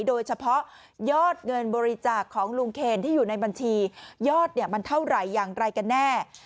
โดยเฉพาะยอดเงินบริจาคของลุงเคนที่อยู่ในบัญชียอดมันเท่าไหร่อย่างไรกันแน่